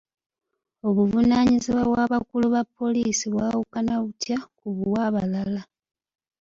Obuvunaanyizibwa bw'abakulu ba poliisi bwawukana butya ku bwabalala?